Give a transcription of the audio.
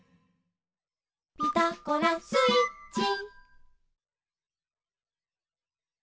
「ピタゴラスイッチ」